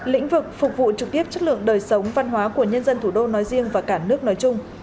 lĩnh vực phục vụ trực tiếp chất lượng đời sống văn hóa của nhân dân thủ đô nói riêng và cả nước nói chung